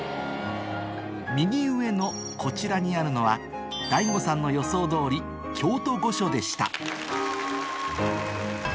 右上のこちらにあるのはＤＡＩＧＯさんの予想通り京都御所でした